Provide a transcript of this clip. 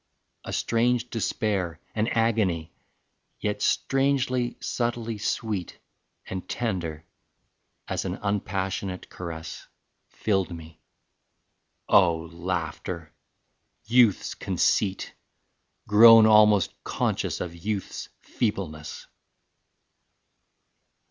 A strange despair, An agony, yet strangely, subtly sweet And tender as an unpassionate caress, Filled me ... Oh laughter! youth's conceit Grown almost conscious of youth's feebleness!